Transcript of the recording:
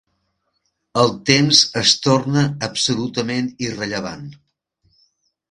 El temps es torna absolutament irrellevant.